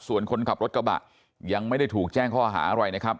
ส่วนคนขับรถกระบะยังไม่ได้ถูกแจ้งข้อหาอะไรนะครับ